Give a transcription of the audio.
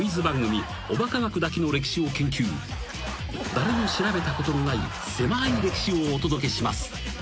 ［誰も調べたことのないせまい歴史をお届けします］